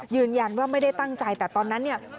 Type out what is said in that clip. ยืนยันว่าไม่ได้ตั้งใจแต่ตอนนั้นเนี่ย